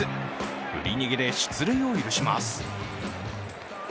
振り逃げで出塁を許します。